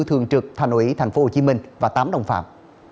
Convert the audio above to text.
thường trực thà nội tp hcm và tám đồng phạm